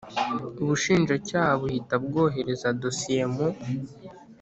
Ubushinjacyaha buhita bwohereza dosiye mu